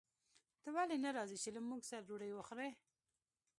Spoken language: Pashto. ته ولې نه راځې چې له موږ سره ډوډۍ وخورې